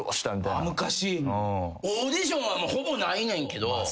オーディションはほぼないねんけど。